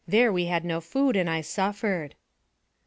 There we had no food, and I suffered."